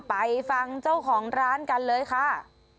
ไปฟังเจ้าของร้านกันเลยค่ะ